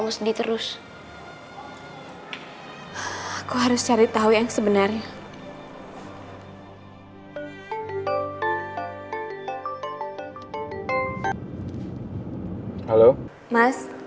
gilang harus buat papa balik lagi